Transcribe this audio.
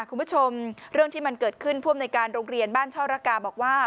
คุณผู้ชมเรื่องที่มันเกิดขึ้นผู้อำนวยการโรงเรียนบ้านช่อระกาบอกว่า